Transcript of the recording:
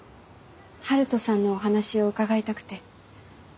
晴登さんのお話を伺いたくて。